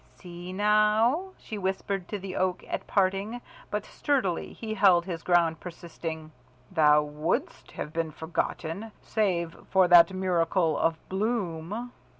"See now," she whispered to the Oak at parting, but sturdily he held his ground, persisting, "Thou wouldst have been forgotten, save for that miracle of bloom."